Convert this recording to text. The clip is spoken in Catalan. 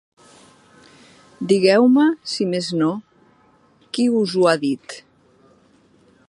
Digueu-me, si més no, qui us ho ha dit.